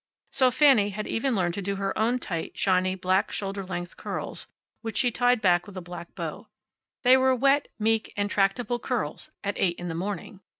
So Fanny had even learned to do her own tight, shiny, black, shoulder length curls, which she tied back with a black bow. They were wet, meek, and tractable curls at eight in the morning.